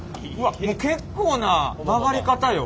もう結構な曲がり方よ。